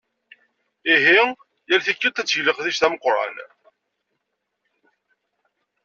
Ihi yal tikelt ad teg leqdic d ameqqran.